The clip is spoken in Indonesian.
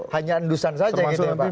hanya endusan saja gitu ya mbak